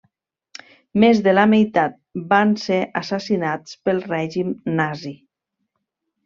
Més de la meitat van ser assassinats pel règim nazi.